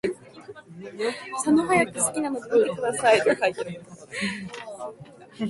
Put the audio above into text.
録音ができません。